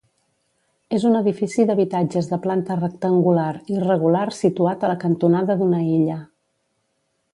És un edifici d'habitatges de planta rectangular irregular situat a la cantonada d'una illa.